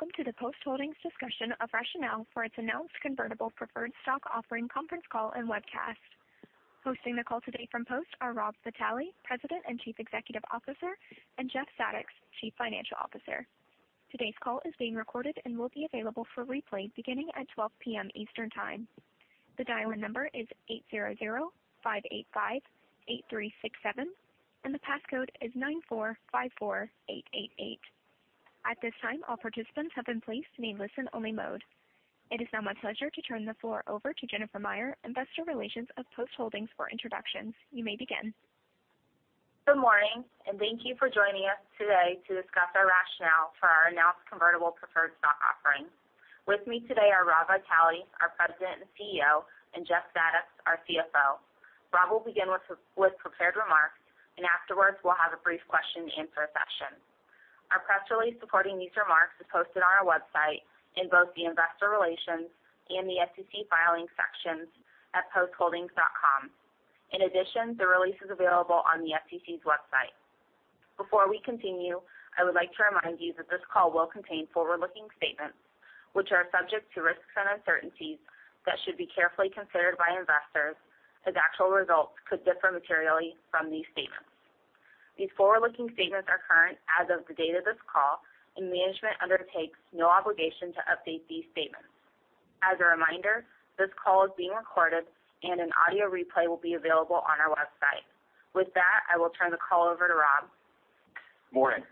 Welcome to the Post Holdings discussion of rationale for its announced convertible preferred stock offering conference call and webcast. Hosting the call today from Post are Rob Vitale, President and Chief Executive Officer, and Jeff A. Zadoks, Chief Financial Officer. Today's call is being recorded and will be available for replay beginning at 12:00 P.M. Eastern Time. The dial-in number is 800-585-8367 and the passcode is 9454888. At this time, all participants have been placed in listen-only mode. It is now my pleasure to turn the floor over to Jennifer Meyer, Investor Relations of Post Holdings for introductions. You may begin. Good morning. Thank you for joining us today to discuss our rationale for our announced convertible preferred stock offering. With me today are Rob Vitale, our President and CEO, and Jeff A. Zadoks, our CFO. Rob will begin with prepared remarks. Afterwards, we'll have a brief question and answer session. Our press release supporting these remarks is posted on our website in both the Investor Relations and the SEC Filings sections at postholdings.com. In addition, the release is available on the SEC's website. Before we continue, I would like to remind you that this call will contain forward-looking statements, which are subject to risks and uncertainties that should be carefully considered by investors as actual results could differ materially from these statements. These forward-looking statements are current as of the date of this call, and management undertakes no obligation to update these statements. As a reminder, this call is being recorded and an audio replay will be available on our website. With that, I will turn the call over to Rob. Good morning.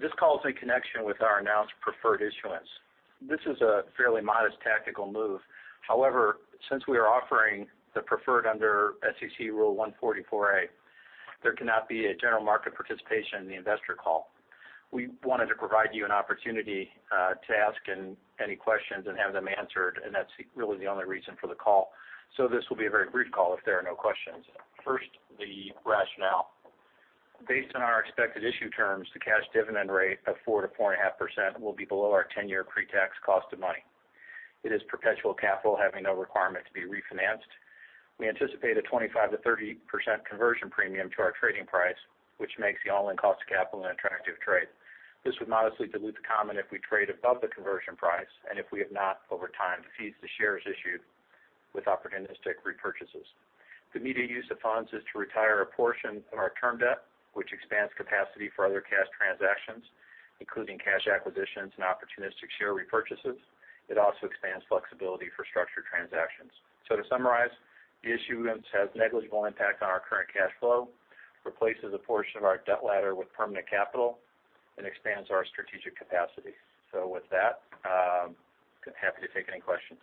This call is in connection with our announced preferred issuance. This is a fairly modest tactical move. However, since we are offering the preferred under SEC Rule 144A, there cannot be a general market participation in the investor call. We wanted to provide you an opportunity to ask any questions and have them answered. That's really the only reason for the call. This will be a very brief call if there are no questions. First, the rationale. Based on our expected issue terms, the cash dividend rate of 4% to 4.5% will be below our 10-year pre-tax cost of money. It is perpetual capital having no requirement to be refinanced. We anticipate a 25%-30% conversion premium to our trading price, which makes the all-in cost of capital an attractive trade. This would modestly dilute the common if we trade above the conversion price and if we have not, over time, seized the shares issued with opportunistic repurchases. The immediate use of funds is to retire a portion of our term debt, which expands capacity for other cash transactions, including cash acquisitions and opportunistic share repurchases. It also expands flexibility for structured transactions. To summarize, the issuance has negligible impact on our current cash flow, replaces a portion of our debt ladder with permanent capital, and expands our strategic capacity. With that, I'm happy to take any questions.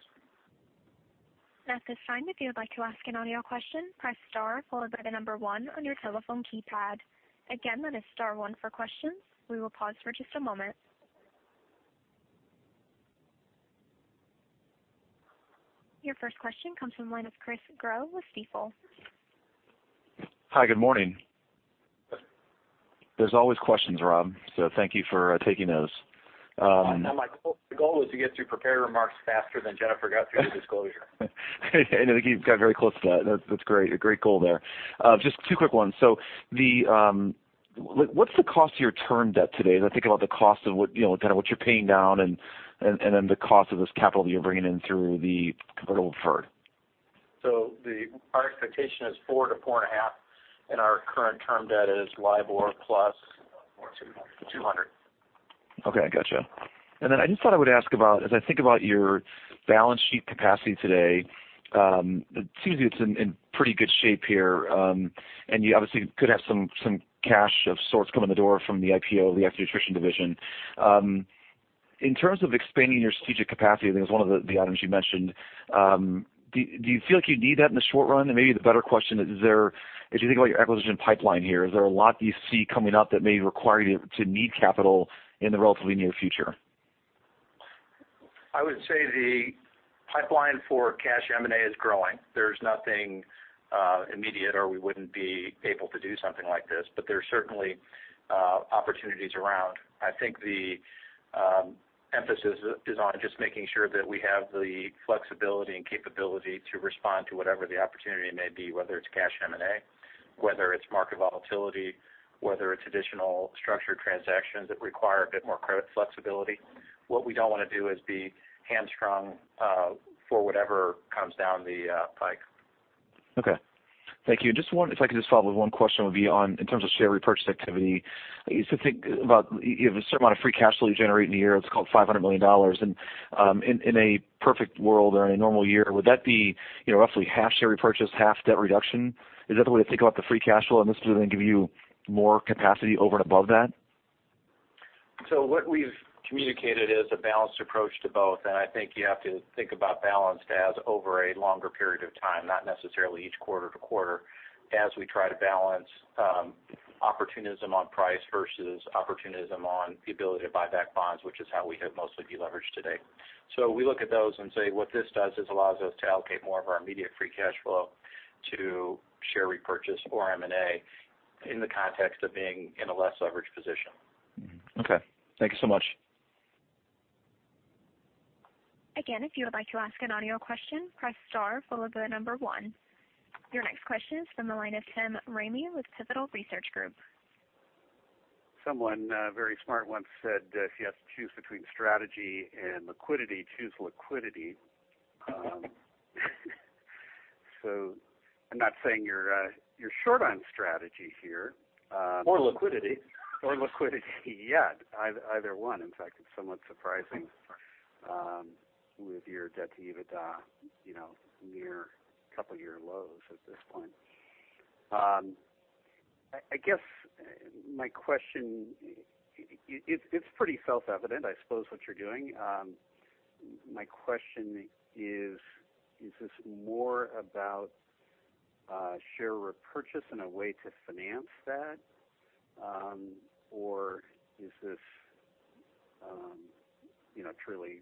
At this time, if you would like to ask an audio question, press star followed by the number one on your telephone keypad. Again, that is star one for questions. We will pause for just a moment. Your first question comes from the line of Chris Growe with Stifel. Hi, good morning. There's always questions, Rob, thank you for taking those. My goal was to get through prepared remarks faster than Jennifer got through the disclosure. I think you got very close to that. That's great. A great goal there. Just two quick ones. What's the cost of your term debt today? I think about the cost of what you're paying down and then the cost of this capital that you're bringing in through the convertible preferred. Our expectation is 4%-4.5%, and our current term debt is LIBOR plus 200. Okay, got you. I just thought I would ask about, as I think about your balance sheet capacity today, it seems it's in pretty good shape here. You obviously could have some cash of sorts come in the door from the IPO of the nutrition division. In terms of expanding your strategic capacity, I think it was one of the items you mentioned, do you feel like you need that in the short run? Maybe the better question is, as you think about your acquisition pipeline here, is there a lot you see coming up that may require you to need capital in the relatively near future? I would say the pipeline for cash M&A is growing. There's nothing immediate or we wouldn't be able to do something like this, but there's certainly opportunities around. I think the emphasis is on just making sure that we have the flexibility and capability to respond to whatever the opportunity may be, whether it's cash M&A, whether it's market volatility, whether it's additional structured transactions that require a bit more credit flexibility. What we don't want to do is be hamstrung for whatever comes down the pike. Okay. Thank you. Just one, if I could just follow up with one question, would be on in terms of share repurchase activity. You said think about you have a certain amount of free cash flow you generate in a year, let's call it $500 million. In a perfect world or in a normal year, would that be roughly half share repurchase, half debt reduction? Is that the way to think about the free cash flow? This doesn't give you more capacity over and above that? What we've communicated is a balanced approach to both, I think you have to think about balanced as over a longer period of time, not necessarily each quarter to quarter, as we try to balance opportunism on price versus opportunism on the ability to buy back bonds, which is how we have mostly deleveraged to date. We look at those and say, what this does is allows us to allocate more of our immediate free cash flow to share repurchase or M&A in the context of being in a less leveraged position. Okay. Thank you so much. Again, if you would like to ask an audio question, press star followed by the number one. Your next question is from the line of Tim Ramey with Pivotal Research Group. Someone very smart once said, "If you have to choose between strategy and liquidity, choose liquidity." I'm not saying you're short on strategy here. Liquidity. Liquidity yet, either one. In fact, it's somewhat surprising with your debt to EBITDA near couple-year lows at this point. I guess my question, it's pretty self-evident, I suppose, what you're doing. My question is: Is this more about share repurchase and a way to finance that, or is this truly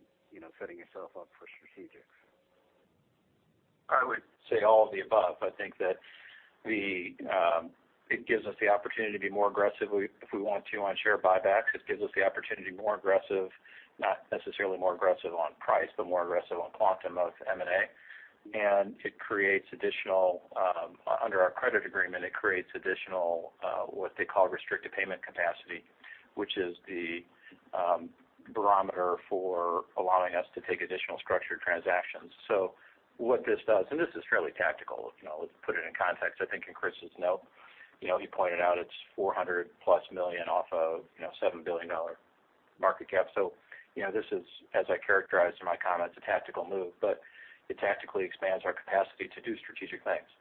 setting yourself up for strategic? I would say all of the above. I think that it gives us the opportunity to be more aggressive, if we want to, on share buybacks. It gives us the opportunity, not necessarily more aggressive on price, but more aggressive on quantum of M&A. Under our credit agreement, it creates additional what they call Restricted Payment capacity, which is the barometer for allowing us to take additional structured transactions. What this does, and this is fairly tactical. Let's put it in context. I think in Chris's note, he pointed out it's $400-plus million off of a $7 billion market cap. This is, as I characterized in my comments, a tactical move, but it tactically expands our capacity to do strategic things.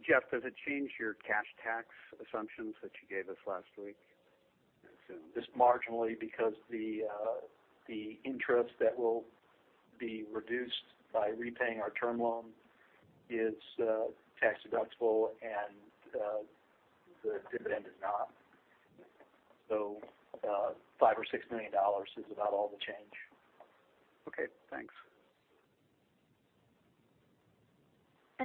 Jeff, does it change your cash tax assumptions that you gave us last week? Just marginally, because the interest that will be reduced by repaying our term loan is tax-deductible, and the dividend is not. $5 or $6 million is about all the change. Okay, thanks.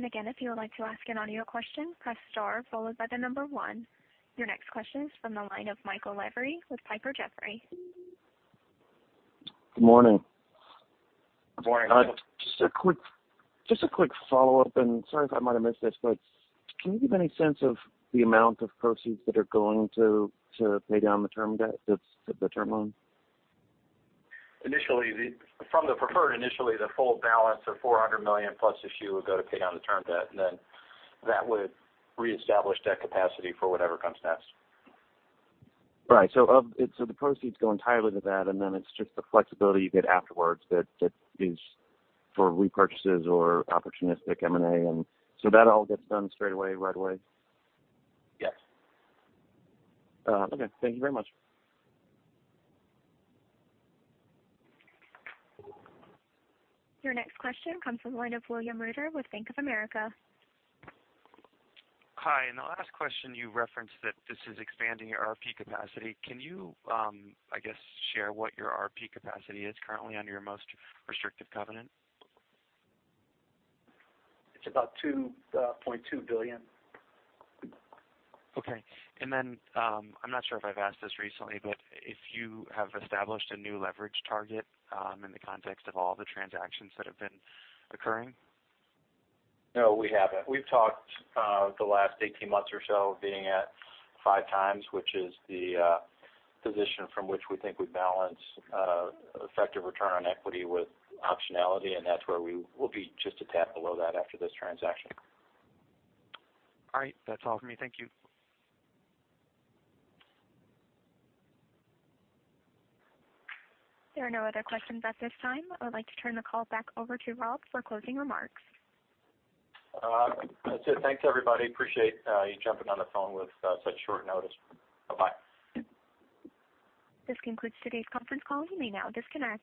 Again, if you would like to ask an audio question, press star followed by the number 1. Your next question is from the line of Michael Lavery with Piper Sandler. Good morning. Good morning. Just a quick follow-up, and sorry if I might have missed this, but can you give any sense of the amount of proceeds that are going to pay down the term loan? From the preferred initially, the full balance of $400 million plus issue would go to pay down the term debt, and then that would reestablish debt capacity for whatever comes next. Right. The proceeds go entirely to that, and then it's just the flexibility you get afterwards that is for repurchases or opportunistic M&A. That all gets done straight away, right away? Yes. Okay. Thank you very much. Your next question comes from the line of William Reuter with Bank of America. Hi. In the last question, you referenced that this is expanding your RP capacity. Can you, I guess, share what your RP capacity is currently under your most restrictive covenant? It's about $2.2 billion. Okay. I'm not sure if I've asked this recently, but if you have established a new leverage target in the context of all the transactions that have been occurring? No, we haven't. We've talked the last 18 months or so being at five times, which is the position from which we think we balance effective return on equity with optionality, and that's where we will be just a tad below that after this transaction. All right. That's all for me. Thank you. There are no other questions at this time. I would like to turn the call back over to Rob for closing remarks. That's it. Thanks, everybody. Appreciate you jumping on the phone with such short notice. Bye-bye. This concludes today's conference call. You may now disconnect.